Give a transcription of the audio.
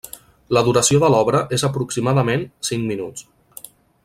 La duració de l'obra és aproximadament cinc minuts.